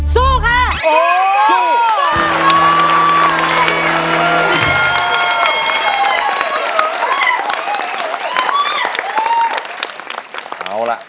สู้ค่ะ